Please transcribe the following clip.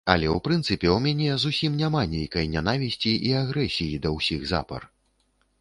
Але ў прынцыпе ў мяне зусім няма нейкай нянавісці і агрэсіі да ўсіх запар.